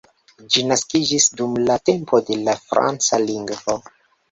Ĝi naskiĝis dum la tempo de la franca lingvo.